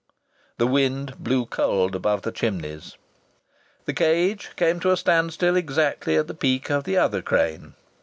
The wind blew cold above the chimneys. The cage came to a standstill exactly at the peak of the other crane.